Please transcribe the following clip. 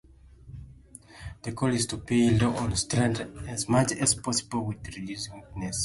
The goal is to build on strengths as much as possible while reducing weaknesses.